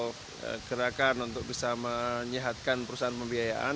untuk gerakan untuk bisa menyehatkan perusahaan pembiayaan